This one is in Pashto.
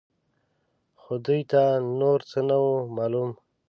خو دوی ته نور څه نه وو معلوم.